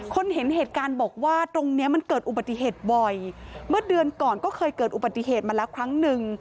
เห็นเหตุการณ์บอกว่าตรงเนี้ยมันเกิดอุบัติเหตุบ่อยเมื่อเดือนก่อนก็เคยเกิดอุบัติเหตุมาแล้วครั้งหนึ่ง